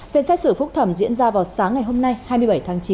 phiên xét xử phúc thẩm diễn ra vào sáng ngày hôm nay hai mươi bảy tháng chín